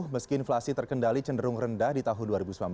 meski inflasi terkendali cenderung rendah di tahun dua ribu sembilan belas